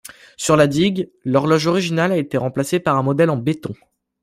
Sur la digue, l'horloge originale a été remplacée par un modèle en béton.